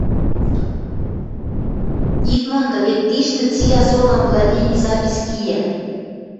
Ит монды: вет тиштӹ цилӓ солан владени запись киӓ.